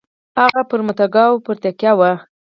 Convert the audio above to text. هغه پر متکاوو پر تکیه وه.